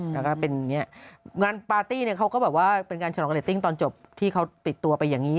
เมื่อการปาร์ตี้เขาก็แบบว่าเป็นการฉลองการเรือติ้งตอนจบที่เขาปิดตัวไปอย่างนี้